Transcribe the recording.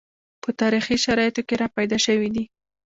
په تاریخي شرایطو کې راپیدا شوي دي